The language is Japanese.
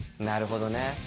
なるほどね。